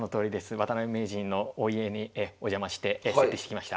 渡辺名人のお家にお邪魔して設定してきました。